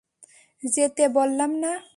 যেতে বললাম না!